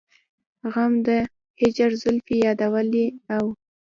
غم د هجر زلفې يادولې او